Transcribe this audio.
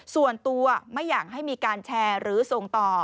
ส่วนตัวไม่อยากให้มีการแชร์หรือส่งต่อ